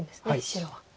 白は。